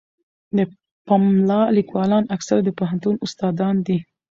د پملا لیکوالان اکثره د پوهنتون استادان دي.